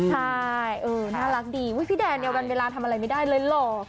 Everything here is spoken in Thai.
ใช่น่ารักดีพี่แดนเนี่ยวันเวลาทำอะไรไม่ได้เลยหล่อ